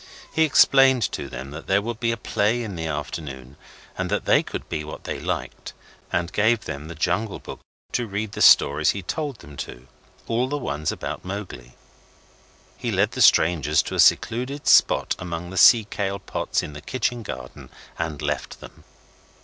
He explained to them that there would be a play in the afternoon, and they could be what they liked, and gave them the Jungle Book to read the stories he told them to all the ones about Mowgli. He led the strangers to a secluded spot among the sea kale pots in the kitchen garden and left them.